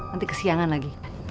nanti kesiangan lagi